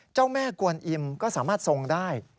เจ้าแม่กวนอิ่มก็สามารถทรงได้